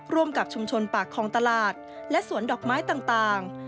ร่วมกับชุมชนปากคลองตลาดและสวนดอกไม้ต่าง